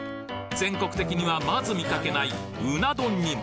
全国的にはまず見かけないうな丼にも！